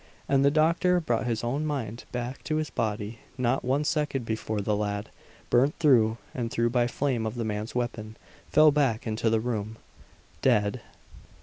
And the doctor brought his own mind back to his body not one second before the lad, burnt through and through by the flame of the man's weapon, fell back into the room dead.